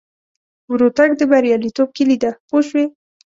ورو تګ د بریالیتوب کیلي ده پوه شوې!.